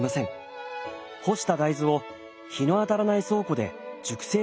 干した大豆を日の当たらない倉庫で熟成させるのです。